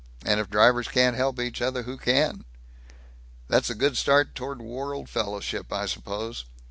And if drivers can't help each other, who can?" "That's a good start toward world fellowship, I suppose.